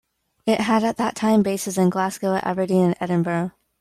It had at that time bases in Glasgow, Aberdeen and Edinburgh.